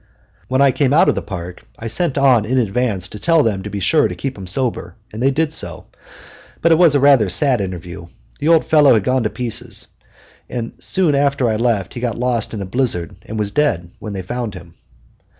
When I came out of the park, I sent on in advance to tell them to be sure to keep him sober, and they did so. But it was a rather sad interview. The old fellow had gone to pieces, and soon after I left he got lost in a blizzard and was dead when they found him.